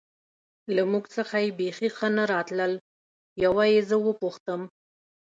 له موږ څخه یې بېخي ښه نه راتلل، یوه یې زه و پوښتم.